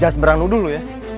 jangan berang nuduh lu ya